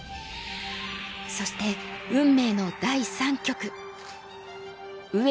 そして運命の第三局。